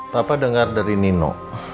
papa dengar dari nino